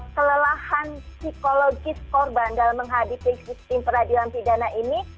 kelelahan psikologis korban dalam menghadapi sistem peradilan pidana ini